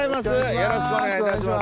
よろしくお願いします。